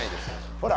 ほら